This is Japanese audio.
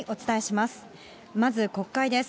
まず国会です。